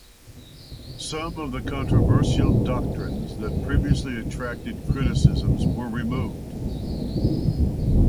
Some of the controversial doctrines that previously attracted criticisms were removed.